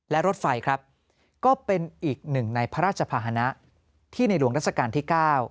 และรถไฟครับก็เป็นอีกหนึ่งในพระราชภาษณะที่ในหลวงราชการที่๙